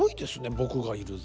「僕がいるぞ！」